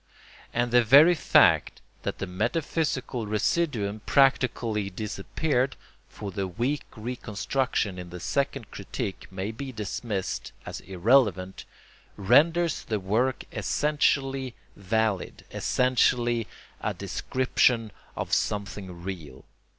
And the very fact that the metaphysical residuum practically disappeared—for the weak reconstruction in the second Critique may be dismissed as irrelevant—renders the work essentially valid, essentially a description of something real.